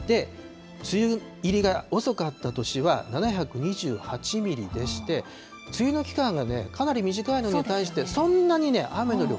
梅雨入りが遅かった年は７２８ミリでして、梅雨の期間がかなり短いのに対して、そんなに雨の量、